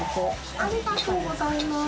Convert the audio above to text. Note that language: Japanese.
ありがとうございます。